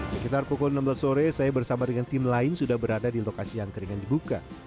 sekitar pukul enam belas sore saya bersama dengan tim lain sudah berada di lokasi yang keringan dibuka